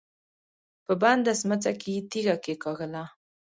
په بنده سمڅه کې يې تيږه کېکاږله.